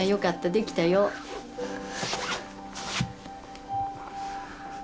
できたよ。ね。